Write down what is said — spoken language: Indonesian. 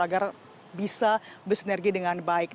agar bisa bersinergi dengan baik